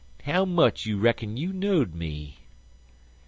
How much you reckon you know'd me?"